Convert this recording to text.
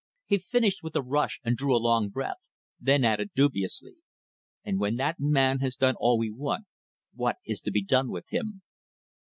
He finished with a rush and drew a long breath, then added dubiously "And when that man has done all we want, what is to be done with him?"